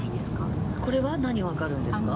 これは何を測るんですか？